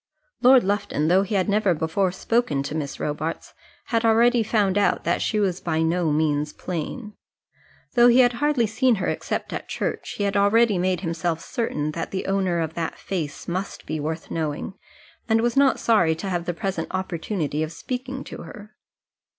Lord Lufton, though he had never before spoken to Miss Robarts, had already found out that she was by no means plain. Though he had hardly seen her except at church, he had already made himself certain that the owner of that face must be worth knowing, and was not sorry to have the present opportunity of speaking to her.